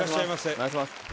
お願いします